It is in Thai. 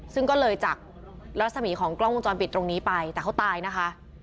ซึ่งก็เลยจากรัศมีของกล้องวงจรปิดตรงนี้ไปแต่เขาตายนะคะ